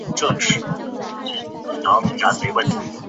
为金庸小说中武功最绝顶的高手之一。